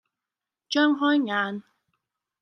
張開眼，